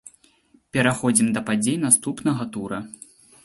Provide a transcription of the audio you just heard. Пераходзім да падзей наступнага тура.